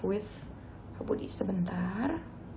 with pak budi sebentar